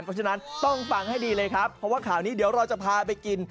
เพราะฉะนั้นต้องฟังให้ดีเลยครับเพราะว่าข่าวนี้เดี๋ยวเราจะพาไปกิน